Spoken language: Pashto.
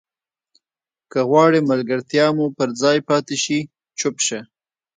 که غواړې ملګرتیا مو پر ځای پاتې شي چوپ شه.